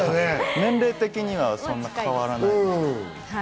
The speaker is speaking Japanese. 年齢的にはそんなに変わらないんですけど。